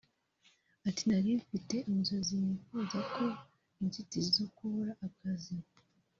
Ati “Nari mfite inzozi nifuza ko inzitizi zo kubura akazi